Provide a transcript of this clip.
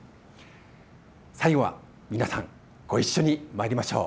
最後は皆さん、ご一緒にまいりましょう。